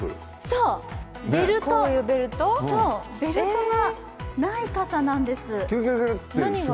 そう、ベルトがない傘なんです。